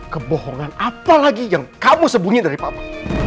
kebohongan apa lagi yang kamu sebunyi dari papa